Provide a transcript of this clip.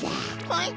はい？